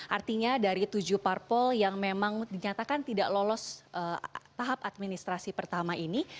artinya dari tujuh parpol yang memang dinyatakan tidak lolos tahap administrasi pertama ini